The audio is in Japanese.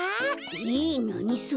えっなにそれ？